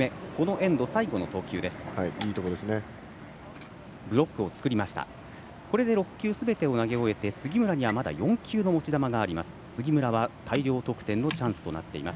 これで６球すべてを投げ終えて杉村にはまだ４球の持ち球があります。